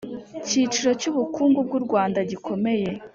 kiciro cy ubukungu bw u Rwanda gikomeye